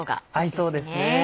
合いそうですね。